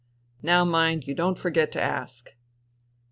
*' Now mind you don't forget to ask.